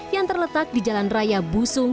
yang terletak di jalan raya busung